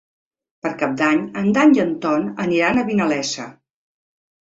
Per Cap d'Any en Dan i en Ton aniran a Vinalesa.